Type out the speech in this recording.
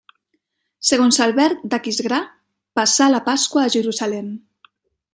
Segons Albert d'Aquisgrà passà la Pasqua a Jerusalem.